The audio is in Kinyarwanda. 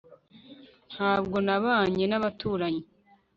ntabwo nabanye nabaturanyi